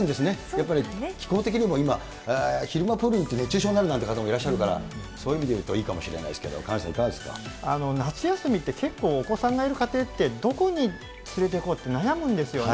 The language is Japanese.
やっぱり気候的にも今、昼間プールに行って熱中症になるなんて方もいらっしゃるから、そういう意味でいうといいかもしれないですけど、萱野さん、夏休みって結構、お子さんいる家庭って、どこに連れていこうって悩むんですよね。